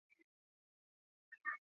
区域内交通设置齐全。